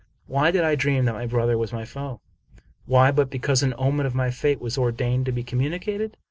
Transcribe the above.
Why did I dream that my brother was my foe? Why but because an omen of my fate was or dained to be communicated?